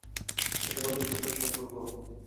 এটা কত সুন্দর সম্পর্ক।